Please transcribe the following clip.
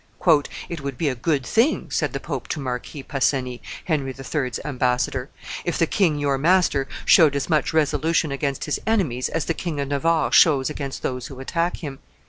"It would be a good thing," said the pope to Marquis Pasani, Henry III.'s ambassador, "if the king your master showed as much resolution against his enemies as the King of Navarre shows against those who attack him."